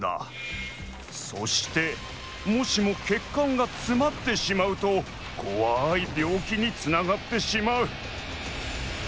そしてもしもけっかんがつまってしまうとこわいびょうきにつながってしまう。